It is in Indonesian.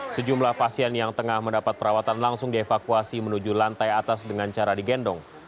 sejumlah pasien yang tengah mendapat perawatan langsung dievakuasi menuju lantai atas dengan cara digendong